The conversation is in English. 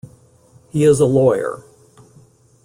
He is a lawyer.